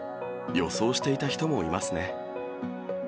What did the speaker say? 予想していた人もいますね？